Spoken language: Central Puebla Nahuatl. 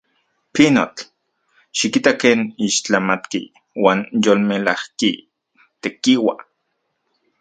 ¡Pinotl! ¡Xikita ken ixtlamatki uan yolmelajki tekiua!